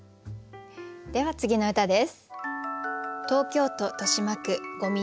では次の歌です。